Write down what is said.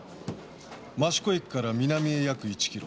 益子駅から南へ約１キロ。